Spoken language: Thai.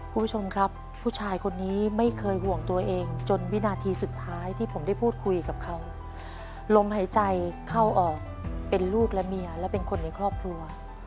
คุณผู้ชมครับผู้ชายคนนี้ไม่เคยห่วงตัวเองจนวินาทีสุดท้ายที่ผมได้พูดคุยกับเขาลมหายใจเข้าออกเป็นลูกและเมียและเป็นคนในครอบครัว